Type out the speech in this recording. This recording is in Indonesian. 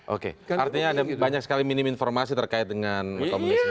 oke artinya ada banyak sekali minim informasi terkait dengan rekomendasi ini